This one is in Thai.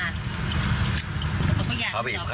โดยเราเหรอเออ